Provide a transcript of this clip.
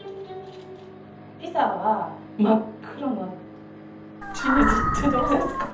ピザは真っ黒なチーズってどうですか？